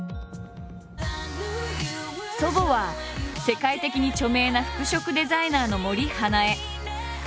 祖母は世界的に著名な服飾デザイナーの森英恵。